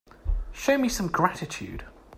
Show me some gratitude.